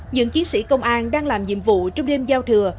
những chiến sĩ công an đang làm nhiệm vụ trong đêm giao thừa